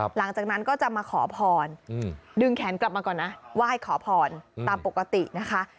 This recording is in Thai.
หลังจากนั้นก็จะมาขอพรดึงแขนกลับมาก่อนนะไหว้ขอพรตามปกตินะคะ